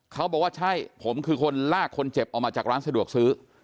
เขาบอกว่าใช่ผมคือคนลากคนเจ็บออกมาจากร้านสะดวกซื้อ